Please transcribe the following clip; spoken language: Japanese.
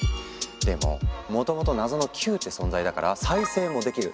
でももともと謎の「球」って存在だから再生もできる。